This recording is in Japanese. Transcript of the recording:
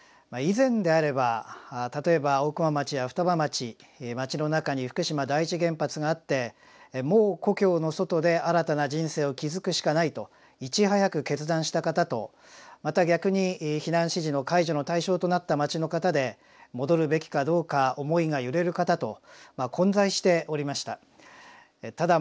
以前であれば例えば大熊町や双葉町町の中に福島第一原発があってもう故郷の外で新たな人生を築くしかないといち早く決断した方とまた逆に避難指示の解除の対象となった町の方で戻るべきかどうか思いが揺れる方と混在しておりました。